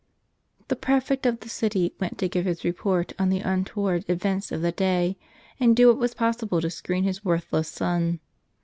!HE prefect of the city went to give his report on the untoward events of the day, and do what was possible to screen his worthless son.